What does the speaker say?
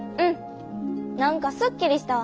何かすっきりしたわ。